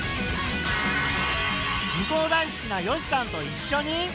図工大好きな善しさんと一しょに。